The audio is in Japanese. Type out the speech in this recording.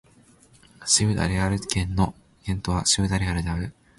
シウダ・レアル県の県都はシウダ・レアルである